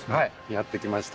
やって来ました。